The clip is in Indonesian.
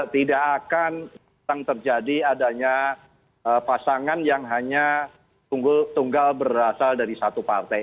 tidak akan terjadi adanya pasangan yang hanya tunggal berasal dari satu partai